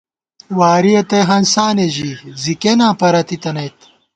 وارِیَہ تئ ہنسانے ژِی، زی کېناں پرَتی تنَئیت